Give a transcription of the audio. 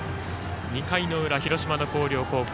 ２回の裏、広島の広陵高校。